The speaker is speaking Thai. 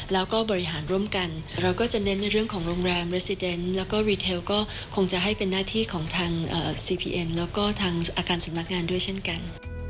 แล้วก็บริหารร่วมกันเราก็จะเน้นในเรื่องของโรงแรมเรซิเดนแล้วก็รีเทลก็คงจะให้เป็นหน้าที่ของทางซีพีเอ็นแล้วก็ทางอาการสำนักงานด้วยเช่นกัน